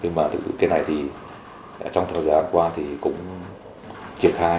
nhưng mà cái này thì trong thời gian qua thì cũng triển khai